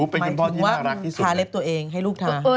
หมายถึงว่าทาเล็บตัวเองให้ลูกทา